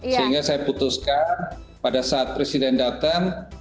sehingga saya putuskan pada saat presiden datang